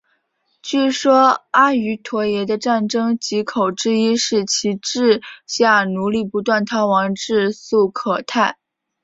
据说阿瑜陀耶的战争藉口之一是其治下奴隶不断逃亡至素可泰。